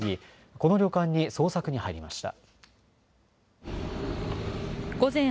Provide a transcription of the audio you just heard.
この旅館に捜索に入りました。